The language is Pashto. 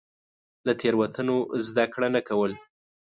له تېروتنو زده کړه نه کول.